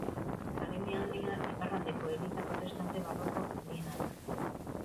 Alemania iparraldeko eliza protestante barroko handiena da.